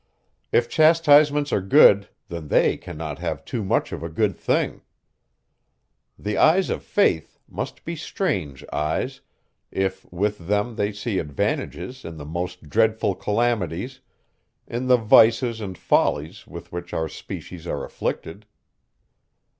If chastisements are good, then they cannot have too much of a good thing! The eyes of faith must be strange eyes, if with them they see advantages in the most dreadful calamities, in the vices and follies with which our species are afflicted.